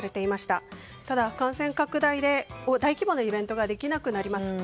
ただ、感染拡大で大規模なイベントができなくなります。